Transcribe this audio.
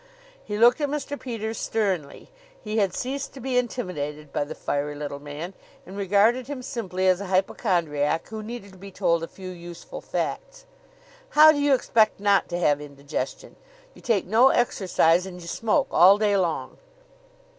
He looked at Mr. Peters sternly. He had ceased to be intimidated by the fiery little man and regarded him simply as a hypochondriac, who needed to be told a few useful facts. "How do you expect not to have indigestion? You take no exercise and you smoke all day long."